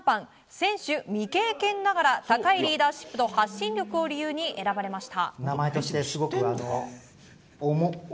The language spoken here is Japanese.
選手未経験ながら高いリーダーシップと発信力を理由に選ばれました。